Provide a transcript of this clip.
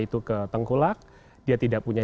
itu ke tengkulak dia tidak punya